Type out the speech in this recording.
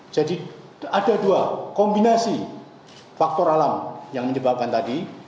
jadi ada dua kombinasi faktor alam yang menyebabkan tadi